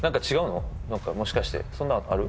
何かもしかしてそんなんある？